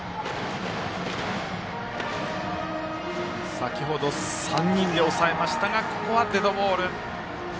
先ほど３人で抑えましたがここはデッドボール。